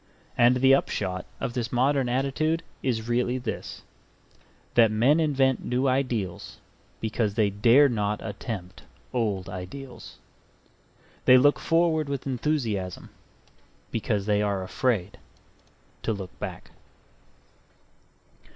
And the upshot of this modern attitude is really this: that men invent new ideals because they dare not attempt old ideals. They look forward with enthusiasm, because they are afraid to look back.